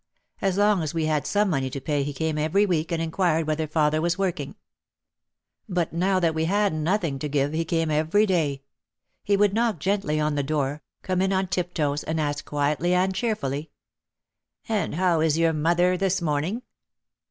As long as we had some money to pay he came every week and inquired whether father was working. But now that we had nothing to give he came every day. He would knock gently on the door, come in on tip toes and ask quietly and cheerfully, "And how is your mother this morning